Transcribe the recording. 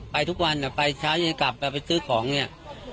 ไปทุกวันเนี่ยไปเช้าเย็นกลับไปซื้อของเนี่ย